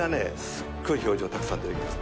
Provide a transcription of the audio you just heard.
すっごい表情たくさん出てきますから。